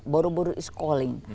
buru buru is calling